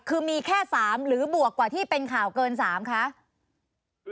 คือมีแค่๓หรือบวกกว่าที่เป็นข่าวเกิน๓คะ